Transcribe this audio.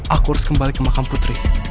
aku harus kembali ke makam putri